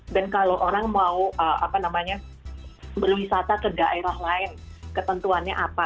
dan kalau orang mau berwisata ke daerah lain ketentuannya apa